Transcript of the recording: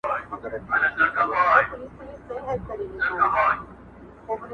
چي زه نه یم په جهان کي به تور تم وي!